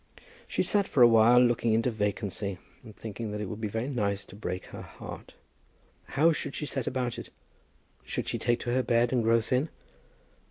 She sat for a while looking into vacancy, and thinking that it would be very nice to break her heart. How should she set about it? Should she take to her bed and grow thin?